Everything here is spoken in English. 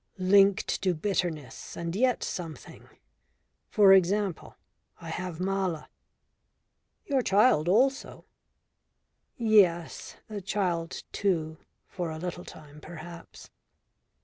"Linked to bitterness and yet something. For example I have Mala." "Your child also." "Yes, the child too. For a little time perhaps."